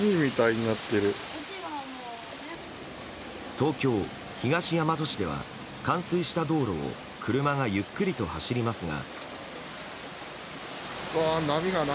東京・東大和市では冠水した道路を車がゆっくりと走りますが。